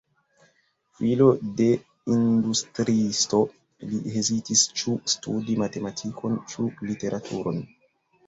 Filo de industriisto, li hezitis ĉu studi matematikon ĉu literaturon.